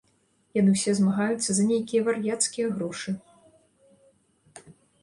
Яны ўсе змагаюцца за нейкія вар'яцкія грошы.